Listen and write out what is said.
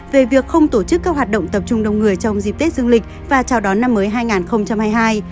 về việc không tổ chức các hoạt động tập trung đông người trong dịp tết dương lịch và chào đón năm mới hai nghìn hai mươi hai